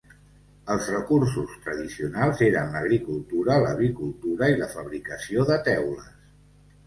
Els recursos tradicionals eren l'agricultura, l'avicultura i la fabricació de teules.